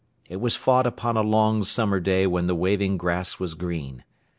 It was fought upon a long summer day when the waving grass was green.